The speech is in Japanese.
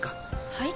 はい？